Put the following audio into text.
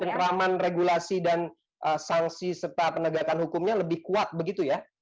pengkraman regulasi dan sanksi serta penegakan hukumnya lebih kuat begitu ya